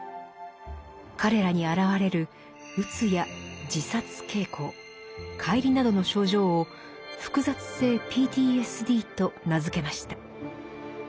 彼らに現れるうつや自殺傾向解離などの症状を「複雑性ＰＴＳＤ」と名付けました。